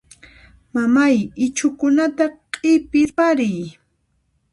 Mamay ichhukunata q'iwirparin.